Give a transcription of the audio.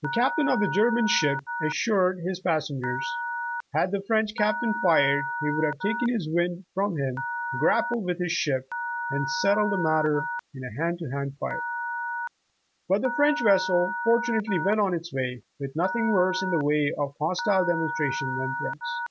The Captain of the German ship assured his passengers, had the French Captain fired, "he would have taken his wind from him, grappled with his ship and settled the mat ter in a hand to hand fight." But the French vesseL fortunately, went on its way, with nothing worse in the way of hostile demonstration than threats.